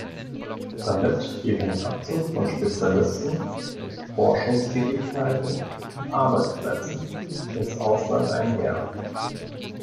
Damit geht ein Abzug von Spezialisten, Forschungstätigkeiten und Arbeitsplätzen ins Ausland einher.